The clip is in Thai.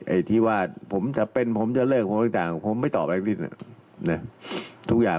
ไอ้ที่ว่าผมจะเลิกผมไม่ตอบอะไรทั้งนั้น